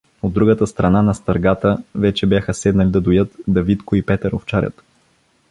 От другата страна на стъргата вече бяха седнали да доят Давидко и Петър овчарят.